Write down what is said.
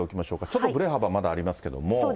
ちょっとぶれ幅まだありますけれども。